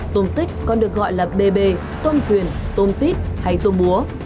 tôm tích còn được gọi là bề bề tôm thuyền tôm tít hay tôm búa